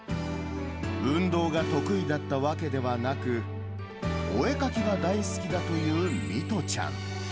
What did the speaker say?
運動が得意だったわけではなく、お絵描きが大好きだという弥都ちゃん。